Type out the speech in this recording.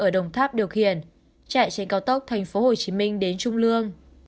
đồng tắc điều khiển chạy trên cao tốc tp hcm đến trung lương